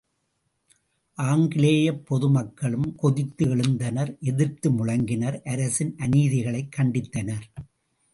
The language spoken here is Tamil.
ஆங்கிலேயப் பொதுமக்களும் கொதித்து எழுந்தனர் எதிர்த்து முழங்கினர் அரசின் அநீதிகளைக் கண்டித்தனர்.